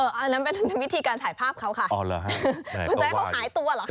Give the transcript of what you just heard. อันนั้นเป็นวิธีการถ่ายภาพเขาค่ะดูจะให้เขาหายตัวเหรอคะ